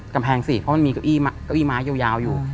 กำแพงสิเพราะว่ามันมีเก้าอี้เยอะอยู่